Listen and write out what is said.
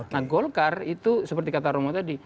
nah golkar itu seperti kata romo tadi